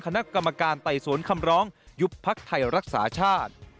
คณะกรรมการไต่สวนคำร้องยุบพักไทยรักษาชาติ